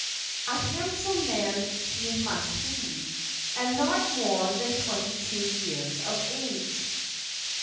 A handsome man he must be, and not more than twenty two years of age.'